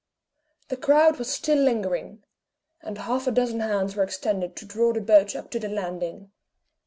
The crowd was still lingering; and half a dozen hands were extended to draw the boat up to the landing.